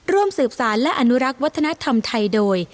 ร่วมสืบสารและอนุรักษ์วัฒนธรรมไทยโดย